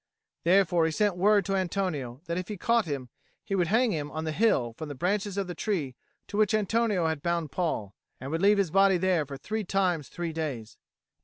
Therefore he sent word to Antonio, that if he caught him, he would hang him on the hill from the branches of the tree to which Antonio had bound Paul, and would leave his body there for three times three days.